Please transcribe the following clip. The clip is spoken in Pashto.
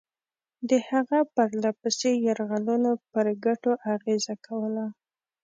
د هغه پرله پسې یرغلونو پر ګټو اغېزه کوله.